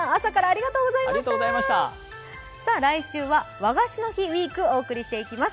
来週は和菓子の日ウイークをお送りしていきます。